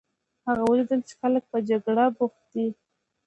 هغه ولیدل چې خلک په جګړه بوخت دي.